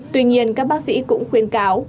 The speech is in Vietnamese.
tuy nhiên các bác sĩ cũng khuyên cáo